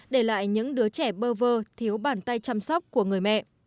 để lại những đứa trẻ bơ vơ thiếu bàn tay chăm sóc của người mẹ